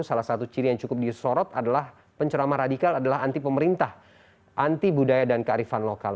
salah satu ciri yang cukup disorot adalah pencerama radikal adalah anti pemerintah anti budaya dan kearifan lokal